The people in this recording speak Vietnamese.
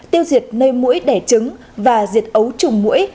tiêu diệt nơi mũi đẻ trứng và diệt ấu trùng mũi